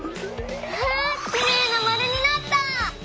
わあきれいなまるになった！